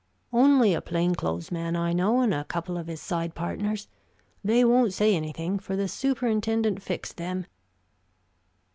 "Only a plain clothes man I know, and a couple of his side partners. They won't say anything, for the superintendent fixed them."